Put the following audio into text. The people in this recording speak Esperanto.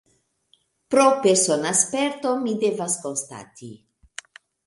Pro persona sperto, mi devas konstati.